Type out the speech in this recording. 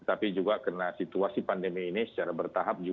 tapi juga karena situasi pandemi ini secara bertahap